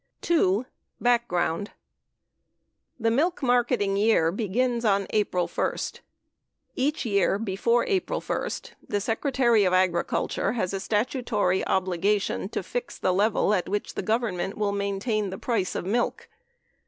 2. background The milk marketing year begins on April 1. Each year before April 1, the Secretary of Agriculture has a statutory obligation to fix the level at. which the Government will maintain the price of milk.